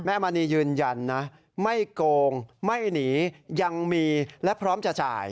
มณียืนยันนะไม่โกงไม่หนียังมีและพร้อมจะจ่าย